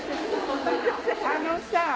あのさ。